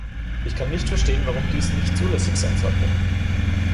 Ich kann nicht verstehen, warum dies nicht zulässig sein sollte.